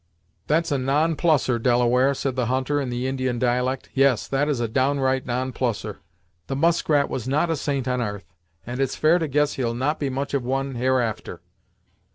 "That's a non plusser, Delaware," said the hunter, in the Indian dialect "yes, that is a downright non plusser! The Muskrat was not a saint on 'arth, and it's fair to guess he'll not be much of one, hereafter!